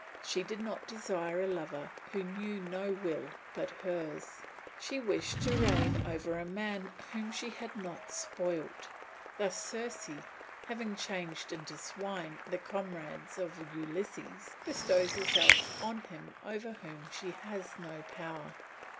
She did not desire a lover who knew no will but hers. She wished to reign over a man whom she had not spoilt. Thus Circe, having changed into swine the comrades of Ulysses, bestowed herself on him over whom she had no power.